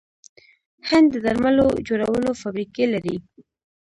هند د درملو جوړولو فابریکې لري.